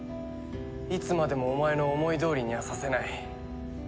いつまでもお前の思いどおりにはさせない。